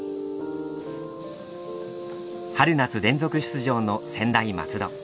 春夏連続出場の専大松戸。